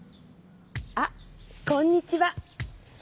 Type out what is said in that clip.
あっこんにちは。